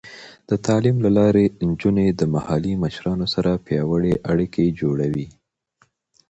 د تعلیم له لارې، نجونې د محلي مشرانو سره پیاوړې اړیکې جوړوي.